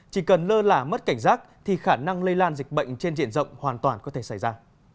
chỉ cần lơ là mất cảnh giác thì khả năng lây lan dịch bệnh trên diện rộng hoàn toàn có thể xảy ra